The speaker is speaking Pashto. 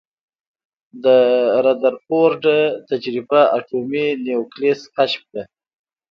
د ردرفورډ تجربه اټومي نیوکلیس کشف کړ.